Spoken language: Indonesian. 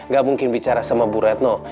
gak mungkin bicara sama bu retno